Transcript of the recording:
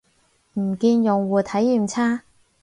唔見用戶體驗差